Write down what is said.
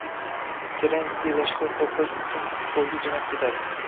Kerenskiy lashkar to‘plash uchun Pskovga jo‘nab ketadi.